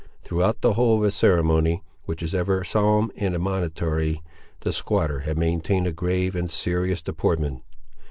Throughout the whole of a ceremony, which is ever solemn and admonitory, the squatter had maintained a grave and serious deportment.